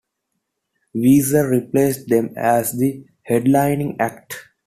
Weezer replaced them as the headlining act.